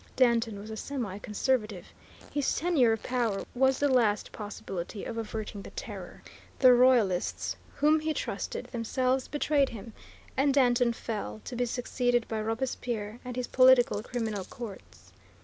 Danton was a semi conservative. His tenure of power was the last possibility of averting the Terror. The Royalists, whom he trusted, themselves betrayed him, and Danton fell, to be succeeded by Robespierre and his political criminal courts.